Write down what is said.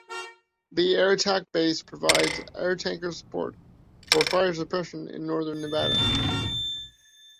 The Air Attack Base provides air tanker support for fire suppression in northern Nevada.